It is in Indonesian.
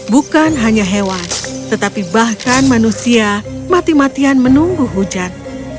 bukan hanya hewan tetapi bahkan manusia mati matian menunggu hujan